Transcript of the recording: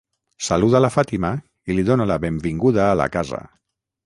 Saluda la Fàtima i li dona la benvinguda a la casa.